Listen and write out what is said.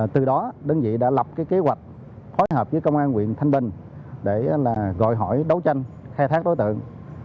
từ đó đơn vị đã lập kế hoạch phối hợp với công an quyện thanh bình để gọi hỏi đấu tranh khai thác đối tượng